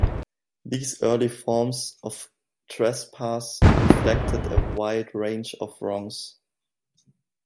These early forms of trespass reflected a wide range of wrongs.